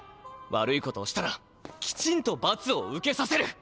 悪いことをしたらきちんとばつを受けさせる。